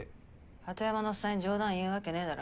鳩山のおっさんに冗談言うわけねぇだろ。